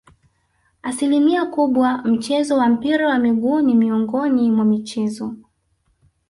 Asilimia kubwa mchezo wa mpira wa miguu ni miongoni mwa michezo